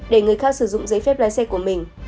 để người khác sử dụng giấy phép lái xe của mình